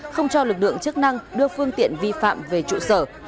không cho lực lượng chức năng đưa phương tiện vi phạm về trụ sở